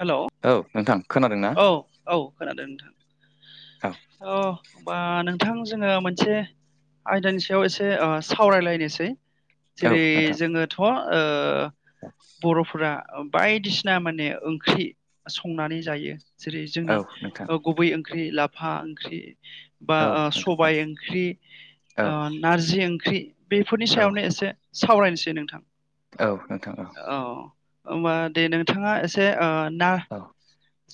हेल' औ नोंथां। खोनादों ना औ औ खोनादों नोंथां। औ अह। बा नोंथां जोङो मोनसे आयदानि सायाव एसे ओ सावरायलायनोसै। औ जेरै नोंथां जोङोथ' ओयो। बर'फोरा अ बायदिसिना माने ओंख्रि संनानै जायो। जेरै जोंनि औ नोंथां ओ गुबै ओं ख्रि लाफा ओंख्रि। बा औ ओ नोंथां सबाय ओंख्रि ओ औ औ नारजि ओंख्रि बेफोरनि औ सायावनो एसे सावरायनोसै नोंथां औ नोंथां औ। होमबा दे नोंथाङा एसे ओयो औ।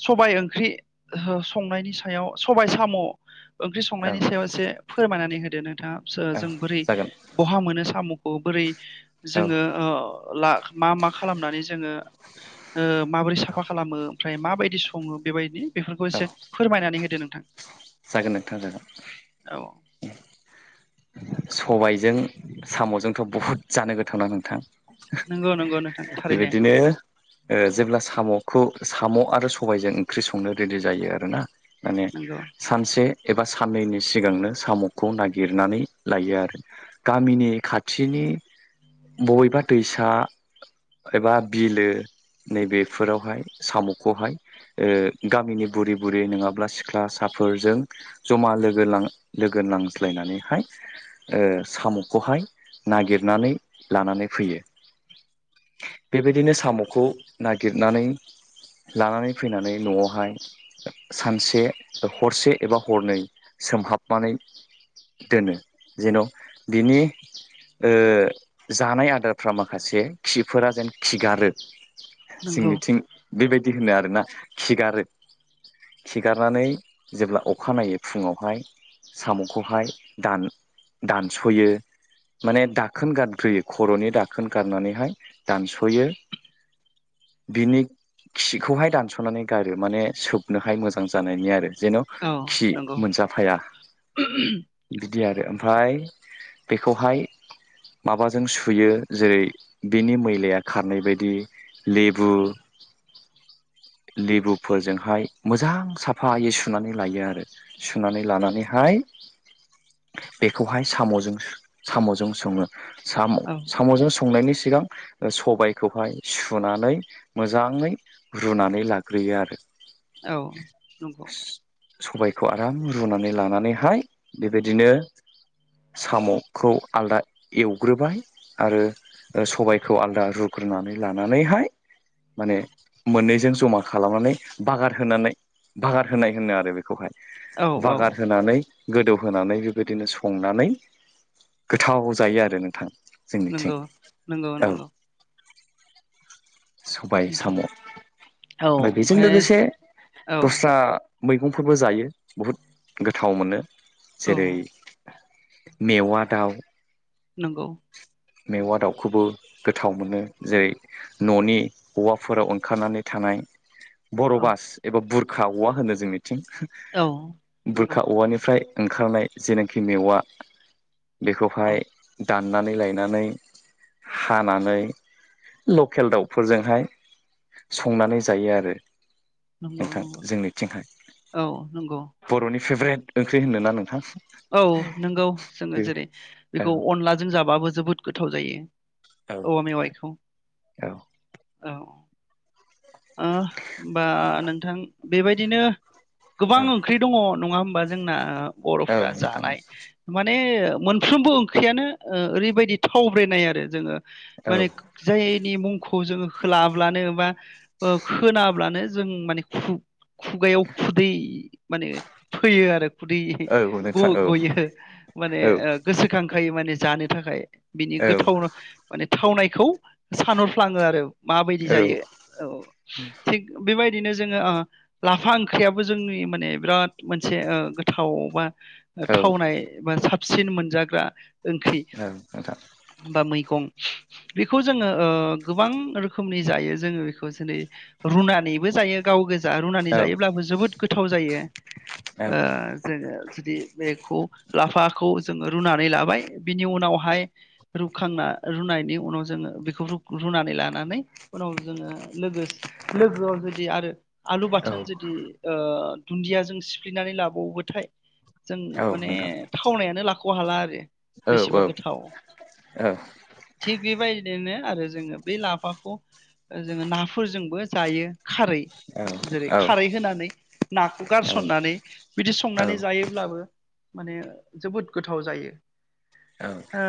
सबाय ओंख्रि ओहो संनायनि सायाव सबाय साम'। ओंख्रि औ संनायनि सायाव एसे फोरमायनानै होदो नोंथाङा सो ओ औ जों बोरै जागोन बहा मोनो साम'खौ बोरै औ औ जोङो ओह ला मा मा खालामनानै जोङो ओ माबोरै साफा औ खालामो ओमफ्राय माबायद दि सङो बेबायदि बेफोरखौ एसे फोरमायनानै होदो नोंथां? जागोन नोंथां जागोन औ उम। सबायजों साम'जोंथ' बहुद जानो गोथावनां नोंथां? ओह नंगौ नंगौ नोंथां थारैनो बेबायदिनो ओ जेब्ला साम'खौ साम' आरो सबायजों ओंख्रि संनो रेडि जायो आरोना। माने नंगौ दे एबा साननैनि सिगांनो साम'खौ नागिरनानै लायो आरो गामिनि खाथिनि बबेबा दैसा एबा बिलो नैबेफोरावहाय साम'खौहाय ओ गामिनि बुरि बुरि नङाब्ला सिख्लासा दाफोरजों जमा लोगो लां लोगो नांज्लायनानैहाय ओयो साम'खौहाय नागिरनानै लानानै फैयो बेबायदिनो साम'खौ नागिरनानै लानानै फैनानै न'आवहाय सानसे ओ हरसे एबा हरनै सोमहाबनानै दोनो जेन' बिनि ओयो जानाय आदारफ्रा माखासे खिफोरा जेन खिगारो। नंगौ जोंनिथिं बेबायदि होनो आरोना। खिगारो खिगारनानै जेब्ला अखानायनायै फुङावहाय साम'खौहाय दान दानस'यो माने दाखोन गारग्रोयो खर'नि दाखोन गारनानैहाय दानस'यो बिनि खिखौहाय दानस'नानै गारो माने सोबनोहाय मोजां जानायनि आरो। जेन' औ खि नंगौ मोनजाफाया बिदि आरो ओम। फ्राय बेखौहाय माबाजों सुयो जेरै बिनि मैलाया खारनाय बादि लेबु लेबुफोरजोंहाय मोजां साफायै सु नानै लायो आरो सुनानै लानानैहाय बेखौहाय साम'जोंसो साम'जों सङो। साम' औ साम'जों संनायनि सिगां सबायखौहाय सुनानै मोजाङै रुनानै लाग्रोयो आरो औ नंगौ सबायखौ आराम रुनानै लानानैहाय बेबायदिनो साम'खौ आलदा एवग्रोबाय आरो सबायखौ आलादा रुग्रोनानै लानानैहाय माने मोननैजों जमा खालामनानै बागार होनानै बागार होनाय होनो आरो। बेखौहाय औ औ बागार होनानै गोदौहोनानै बेबायदिनो संनानै गोथाव जायो आरो नोंथां जोंनिथिं नंगौ नंगौ औ नंगौ। सबाय ओमफ- साम' औ ओमफ्राय बेजों ओमफ्राय लोगोसे औ दस्रा मैगंफोरबो जायो बहुद गोथाव मोनो। औ जेरै मेवा दाउ नंगौ। मेवा दाउखौबो गोथाव मोनो जेरै न'नि औवाफोराव ओंखारनानै थानाय औ बर' बास एबा बुर खा औवा होनो जोंनि थिं औ नंगौ बुरखा औवानिफ्राय ओंखारनाय जेनाखि मेवा औ बेखौहाय दाननानै लायनानै हानानै [unintelligible] [unintelligible] दाउफोरजोंहाय संनानै जायो आरो। नंगौ नोंथां नंगौ जोंनिथिंहाय औ नंगौ बर'नि फेभ्रेट ओंख्रि होनोना नोंथां। औ नंगौ जोङो बे जेरै बेखौ औ अनलाजों जाबाबो जोबोद गोथाव जायो। औ मेवाइखौ औ ओ होमबा नोंथां बेबायदिनो गोबां ओंख्रि दङ नङा होम बा जोंना औ बर'फ्रा नोंथां जानाय माने माने मोनफ्रोमबो ओंख्रियानो ओरैबायदि थावब्रेनाय आरो जोङो औ माने जायनि मुंखौ जोङो लाब्लानो बा ओ खोनाब्ला नो जों माने खु खुगायाव खुदै माने फैयो आरो खुदै औ नोंथां औ गयो माने औ गोसोखां खायो माने जानो थाखाय बिनि औ गोथाव माने थावनाय खौ सानहरफ्लाङो आरो माबायदि औ नोंथां औ नोंथां औ जायो। औ थिग बेबायदि बिदिनो जोङो ओ लाफा ओंख्रियाबो जोंनि माने बिराद मोनसे ओ गोथावा औ थावनाय बा साबसिन मोनजाग्रा ओंख्रि बा मै गं बेखौ जोङो ओ गोबां रोखोम नि जायो जोङो खुसिदि रुनानैबो जायो गाव रुनानै जायोब्लाबो जोबोद गोथाव जायो ओ जोङो बि बेखौ लाफाखौ जोङो रुनानै लाबाय बिनि उनावहाय रुखांना रुनायनि उनाव जोङो बेखौ रुनानै लानानै उनाव जोङो लोगो लोगोआव जुदि आरो आलु बाथोन जुदि ओ दुन्दियाजों सिफ्लेनानै लाबावथाय जों औ नोंथां औ माने नोंथां औ थावनायानो खौ हाला आरो बेसेबा औ औ गोथाव थिग बेबायदिनो आरो जोङो बेै लाफाखौ जोङो ना फोरजोंबो जायो। खारै जेरै खारै होनानै नाखौ गारसननानै बिदि संनानै जायोब्लाबो माने जोबोद गोथाव जायो। ओ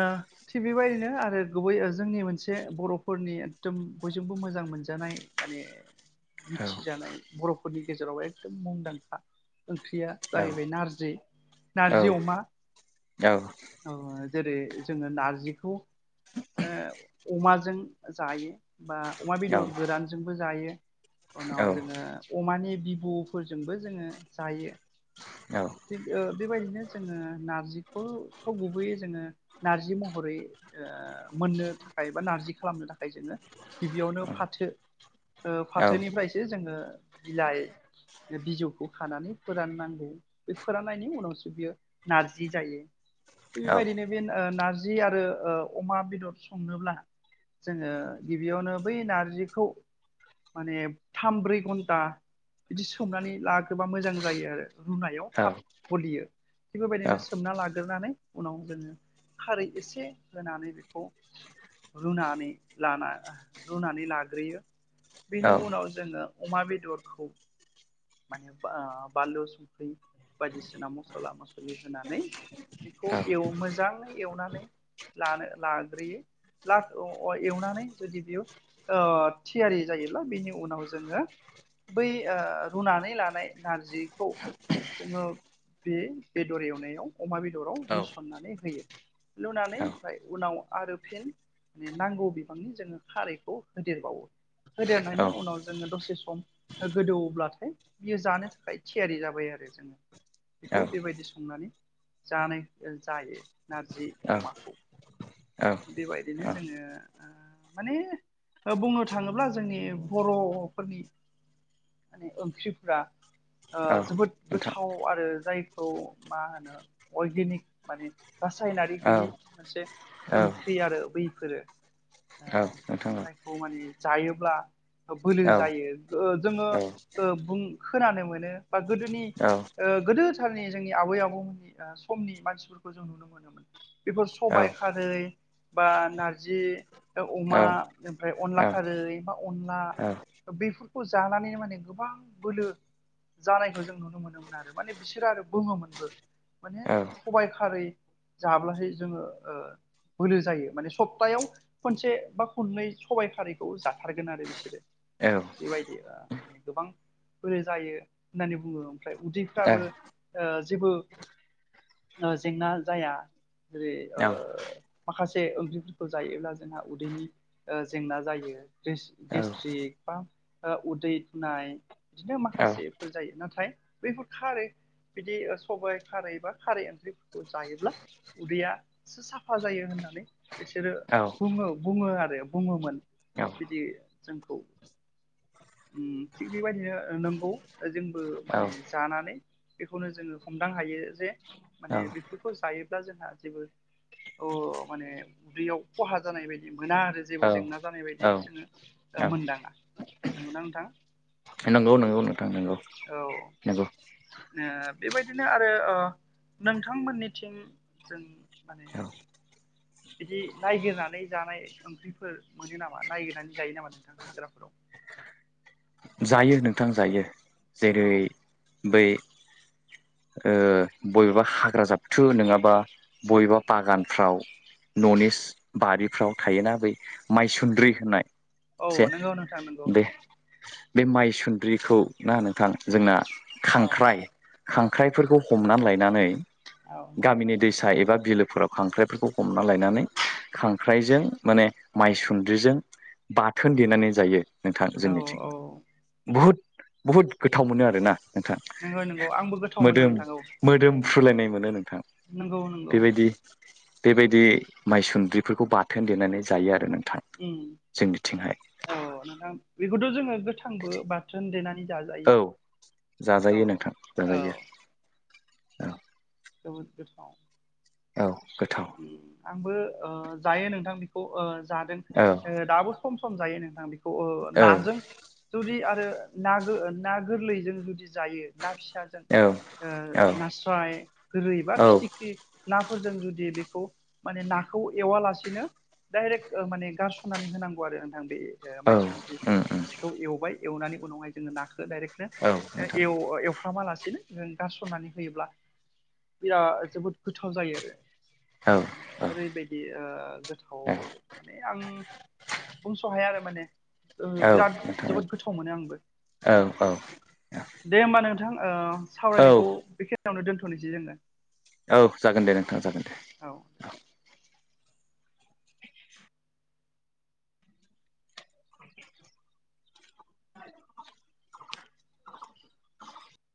थिग बेबायदिनो आरो गुबै जोंनि मोनसे बर'फोरनि एकदम बयजोंबो मोजां मोनजानाय माने मिथिजानाय बर' फोरनि गेजेरावबो एकदम मुंदांखा ओंख्रिया जाहैबाय नारजि नारजि अमा औ जेरै जोङो नारजिखौ ओ अमा जों जायो। बा अमा बेदर गोरान जायो। उनाव जोङो अमानि बि गफोरजोंबो जोङो जायो। [unintelligible] बेबायदिनो जोङो नारजिखौथ' गुबैयै जोङो नारजि महरै ओ मोननो थाखाय बा नारजि खालामनो थाखाय जोङो गिबियावनो फाथो फाथोनिफ्रायसो जोङो बिलाइ बिजौखौ खानानै फोराननांगौ बे फोराननायनि उनावसो बियो नारजि जायो। थिग बेबायदिनो बे नारजि नारजि आरो अमा बेदर संनोब्ला जोङो गिबियावनो बै नारजिखौ माने थाम ब्रै घन्टा बिदि सोमनानै लाग्रोबा मोजां जायो आरो। रुनायाव थाब गलियो। थिग बेबायदिनो सोमना लाग्रोनानै उनाव जोङो खारै एसे होनानै बेखौ रुनानै लाना रुनानै लाग्रोयो बेनि उनाव जोङो अमा बेदरखौ माने बानलु सं बायदिसिना मस्ला मसलि होनानै बेखौ मोजाङै एवनानै लानो लाग्रोयो एवनानै जुदि बेयो थियारि जायोब्ला बिनि उनाव जोङो बै रुनानै लानाय नारजिखौ जोङो बे बेद'र एवनायाव अमा बेद'राव लुसननानै होयो लुनानै ओमफ्राय उनाव आरो फिन माने नांगौ बिबांनि जोङो खारैखौ होदेरबावो होदेरनानै उनाव जोङो दसे सम गोदौब्लाथाय बियो जानो थाखाय थियारि जाबाय आरो। आरो जोङो बेखौ बेबायदि संनानै जानाय जायो नारजि अमाखौ। बेबायदिनो जोङो माने बुंनो थाङोब्ला जोंनि बर'फोरनि माने ओंख्रिफोरा जोबोद गोथाव आरो जायखौ मा होनो अर्गेनिक माने रासायनारि गैयि मोनसे ओंख्रि आरो बैफोरो जायखौ माने जायोब्ला बोलो जायो जोङो बुं खोनानो मोनो बा गोदोनि गोदोथारनि जोंनि आबै आबौमोननि समनि मानसिफोरखौ जों नुनो मोनोमोन बेफोर सबाइ खारै खारै बा नारजि औ अमा ओमफ्राय अनला औ खारै बा अनला औ बेफोरखौ जानानै माने गोबां बोलो जानायखौ जों नुनो मोनोमोन आरो माने बिसोरो आरो बुङोमोनबो माने सबायखारै जाब्लाथाय जोङो। बोलो जायो माने सप्तायाव खनसे बा खननै सबाइ खारैखौ जाथारगोन आरो बिसोरो बेबायदि माने गोबां बोलो जायो होननानै बुङो ओमफ्राय उदैफ्राबो जेबो जेंना जाया जेरै माखासे ओंख्रिफोरखौ जायोब्ला जोंहा उदैनि जेंना जायो गेस्ट्रिक बा उदै सानाय बिदिनो माखासेफोर जायो नाथाय बैफोर खारै बिदि सबाइखारै बा खारै ओंख्रिफोरखौ जायोब्ला उदैयासो साफा साफा जायो होननानै बिसोरो बुङो बुङो आरो बुङोमोन बिदि जोंखौ। थिग बेबायदिनो नंगौ जोंबो माने जानानै बेखौनो जोङो, हमदां हायो जे माने बेफोरखौ जायोब्ला जोंहा जेबो ओ माने उदैयाव खहा जानाय बायदि मोना आरो जेबो जेंना जानाय बायदि जोङो मोनदाङा। नंगौना नोंथां? नंगौ नंगौ नोंथां नंगौ। औ। नंगौ बेबायदिनो आरो नोंथांमोननिथिं जों माने औ बिदि नायगिरनानै जानाय ओंख्रिफोर मोनो नामा नायगिरनानै जायो नामा नोंथाङा हाग्राफोराव? जायो नोंथां जायो। औ जेरै बै ओ बबेबा हाग्रा जाबथु नङाबा बबेबा बागानफ्राव न'नि बारिफ्राव थायोना बै मायसुन्द्रि होननाय औ से नंगौ नोंथां नंगौ। बे बे माइसुन्द्रिखौ ना नोंथां जोंना औ खांख्राइ खांख्राइफोरखौ हमनानै लायनानै औ गामिनि दैसा एबा एबा बिलोफोराव खांख्राइफोरखौ हमना लायनानै खांख्राइजों माने माइसुन्द्रिजों बाथोन देनानै जायो। नोंथां औ जोंनिथिं औ बहुद बुहुद गोथाव मोनो आरोना नोंथां नंगौ नंगौ आंबो गोथाव मोनो मोदोम नोंथां औ मोदोम फ्रु लायनाय मोनो नों थां नंगौ नंगौ बेबायदि बेबायदि माइसुन्द्रिफोरखौ बाथोन देनानै जायो आरो नों उम औ नोंथां बेखौथ' जोङो गोथांबो बाथोन देनानै जाजायो औ औ जाजायो नोंथां औ जाजायो औ जोबोद गोथाव औ गोथाव आंबो ओ जायो नोंथां बेखौ ओ जादों औ दाबो सम सम जायो नों [unintelligible] खौ नाजों जुदि ना गो-गोरलैजों जुदि जायो ना फिसाजों औ ओ नास्राय, गोरै बा औ फिथिख्रि नाफोरजों जुदि बे खौ नाखौ एवा लासेनो डाइरेक्ट माने गारसनानै होनांगौ आरो आं बे उम माइसुन्द्रि उम सिखौ एवबाय एवनानै उनावहाय जोङो ना खो डाइरेकनो औ नोंथां एव एवफ्रामा लासिनो नो गारसननानै होयोब्ला बिराद जोबोद गोथाव जायो आरो औ औ ओरैबायदि ओ गोथाव माने आं बुंस' हाया आरो माने ओ औ बिराद नोंथां जोबोद गोथाव मोनो आंबो औ नोंथां औ दे होमबा नोंथां ओ औ सावरायनायखौ [unintelligible] नावनो दोन्थ'नोसै जोङो औ जागोन दे नोंथां जागोन दे औ